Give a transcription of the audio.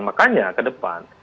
makanya ke depan